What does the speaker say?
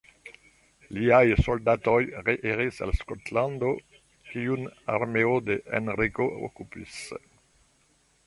Liaj soldatoj reiris al Skotlando, kiun armeo de Henriko okupis.